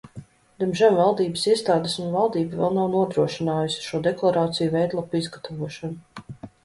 Diemžēl valdības iestādes un valdība vēl nav nodrošinājusi šo deklarāciju veidlapu izgatavošanu.